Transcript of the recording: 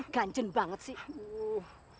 ganjen banget sih